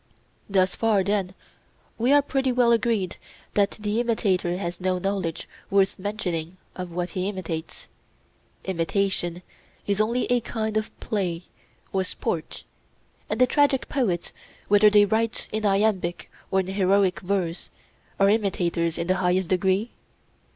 Thus far then we are pretty well agreed that the imitator has no knowledge worth mentioning of what he imitates. Imitation is only a kind of play or sport, and the tragic poets, whether they write in Iambic or in Heroic verse, are imitators in the highest degree?